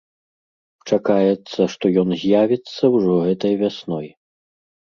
Чакаецца, што ён з'явіцца ўжо гэтай вясной.